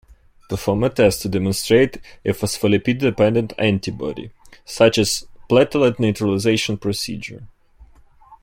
Perform a test to demonstrate a phospholipid-dependent antibody, such as a platelet neutralization procedure.